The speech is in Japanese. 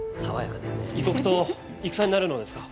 異国と戦になるのですか？